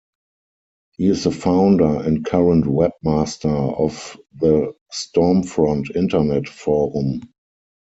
He is the founder, and current webmaster, of the Stormfront internet forum.